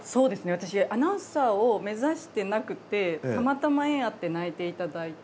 私アナウンサーを目指してなくてたまたま縁あって内定頂いて。